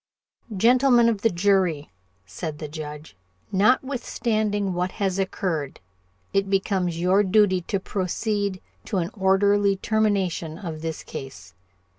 "Gentlemen of the Jury," said the Judge, "Notwithstanding what has occurred, it becomes our duty to proceed to an orderly determination of this case.